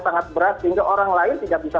sangat berat sehingga orang lain tidak bisa